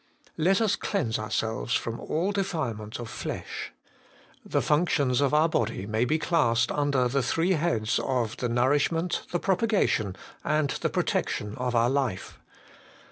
Let us cleanse ourselves from all defilement of flesh' The functions of our body may be classed under the three heads of the nourishment, the propagation, and the protection of our life.